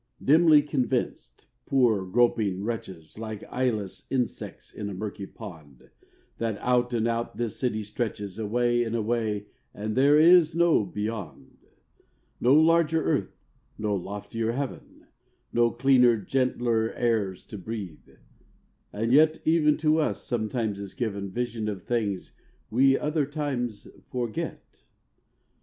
Dimly convinced, poor groping wretches, Like eyeless insects in a murky pond That out and out this city stretches, Away, away, and there is no beyond. No larger earth, no loftier heaven, No cleaner, gentler airs to breathe. And yet, Even to us sometimes is given Visions of things we other times forget.